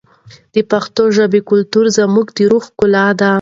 د پښتو ژبې کلتور زموږ د روح ښکلا ده.